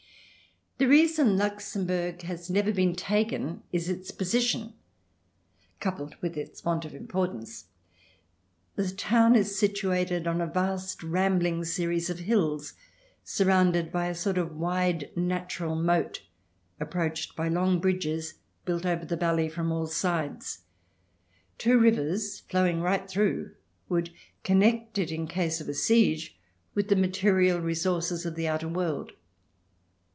The reason Luxembourg has never been taken is its position, coupled with its want of importance. The town is situated on a vast rambling series of hills surrounded by a sort of wide natural moat approached by long bridges built over the valley from all sides. Two rivers flowing right through would connect it, in case of a siege, with the material resources of the outer world.